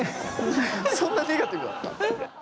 そんなネガティブだった？